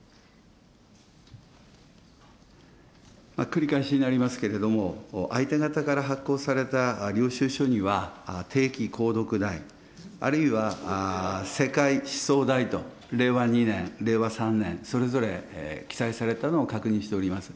繰り返しになりますけれども、相手方から発行された領収書には、定期購読代、あるいは世界思想代と、令和２年、令和３年、それぞれ記載されたのを確認しております。